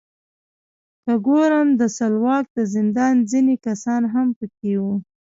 که ګورم د سلواک د زندان ځینې کسان هم پکې وو.